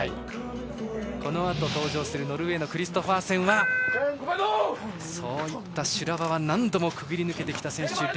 このあと登場するノルウェーのクリストファーセンはそういった修羅場は何度も潜り抜けてきた選手。